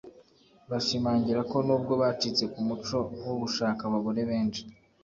bashimangira ko n’ubwo bacitse ku muco wo gushaka abagore benshi